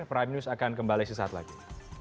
prime news akan kembali sesaat lagi